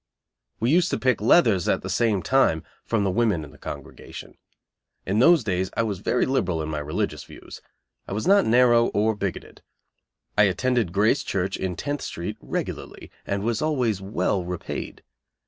We use to pick "leathers," at the same time, from the women in the congregation. In those days I was very liberal in my religious views. I was not narrow, or bigoted. I attended Grace Church, in Tenth Street, regularly and was always well repaid.